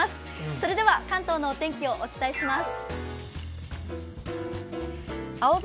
それでは関東のお天気をお伝えします。